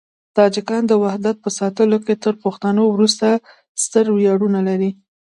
تاجکان د وحدت په ساتلو کې تر پښتنو وروسته ستر ویاړونه لري.